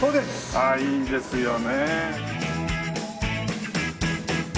ああいいですよね。